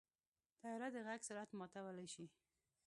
طیاره د غږ سرعت ماتولی شي.